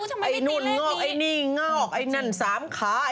ไหนนู่นไหนนี่ไหนนองไหนนั่น๓คา